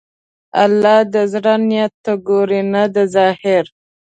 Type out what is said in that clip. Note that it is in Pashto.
الله د زړه نیت ته ګوري، نه د ظاهره.